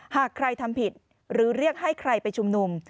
หากใครทำผิดหรือเรียกให้ใครไปชุมนุม